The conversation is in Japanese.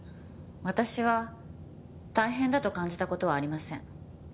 私は大変だと感じた事はありません。